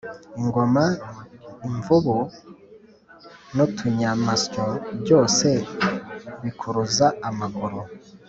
ingona, imvubu, nutunyamasyo byose bikuruza amaguru